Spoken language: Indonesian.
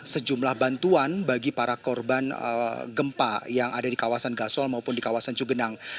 sejumlah bantuan bagi para korban gempa yang ada di kawasan gasol maupun di kawasan cugenang